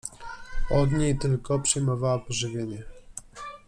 Od niej tylko przyjmowała pożywienie.